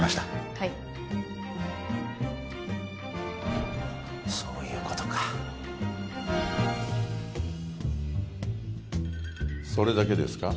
はいそういうことかそれだけですか？